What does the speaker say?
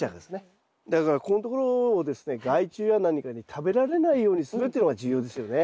だからここんところをですね害虫や何かに食べられないようにするというのが重要ですよね。